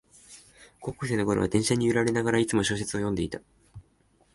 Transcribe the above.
高校生のころは電車に揺られながら、いつも小説を読んでいた